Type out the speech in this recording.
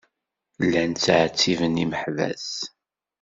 Llan ttɛettiben imeḥbas.